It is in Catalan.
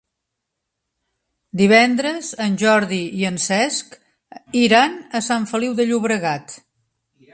Divendres en Jordi i en Cesc iran a Sant Feliu de Llobregat.